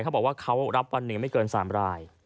เขาบอกว่าเขารับวันหนึ่งไม่เกิน๓ราย